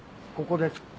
ここです。